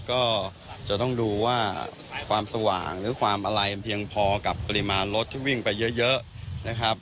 ก็จะต้องดูว่าความสว่างหรือความอะไรมันเพียงพอกับปริมาณรถที่วิ่งไปเยอะนะครับ